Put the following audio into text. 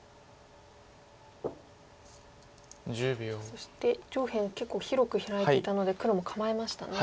そして上辺結構広くヒラいていたので黒も構えましたね。